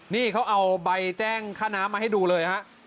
นี่เขาเอาใบแจ้งค่าน้ำมาให้ดูเลยฮะ